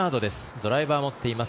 ドライバーを持っています